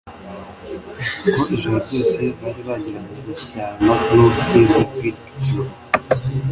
Kuko ijoro ryose bari bagiranye umushyikirano n'ubwiza bw'ijuru,